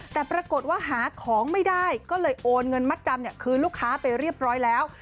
แต่ปรากฏว่าหาของไม่ได้ก็เลยโอนเงินมัดจำคืนลูกค้าไปเรียบร้อยแล้ว